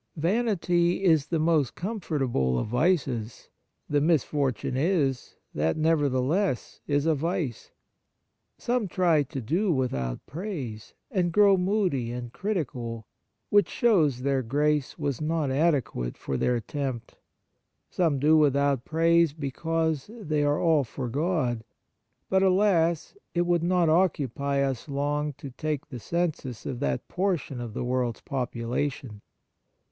Vanity is the most comfortable of vices. THe misfortune is, that never theless it is a vice. Some try to do with out praise, and grow moody and critical, which shows their grace was not adequate for their attempt. Some do without praise because they are all for God, but, alas ! it would not occupy us long to take the census of that portion of the world's popu lation.